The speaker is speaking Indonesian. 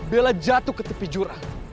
bella jatuh ke tepi jurang